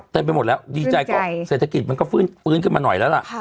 ไปหมดแล้วดีใจก็เศรษฐกิจมันก็ฟื้นขึ้นมาหน่อยแล้วล่ะ